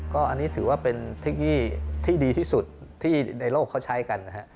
ก็อันนี้ถือว่าเป็นเทคโนโลยีที่ดีที่สุดที่ในโลกเขาใช้กันนะฮะ